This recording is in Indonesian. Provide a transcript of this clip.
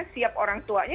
siap orang tuanya